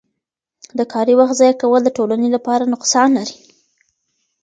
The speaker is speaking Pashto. د کاري وخت ضایع کول د ټولنې لپاره نقصان لري.